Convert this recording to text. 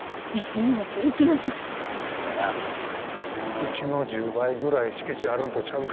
うちの１０倍ぐらい敷地あるんとちゃうか？